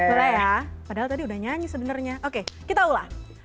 boleh ya padahal tadi udah nyanyi sebenarnya oke kita ulah